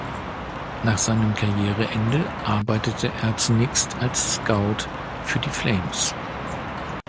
Nach seinem Karriereende arbeitete er zunächst als Scout für die Flames.